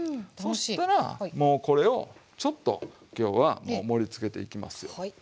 そしたらもうこれをちょっと今日は盛りつけていきますよ。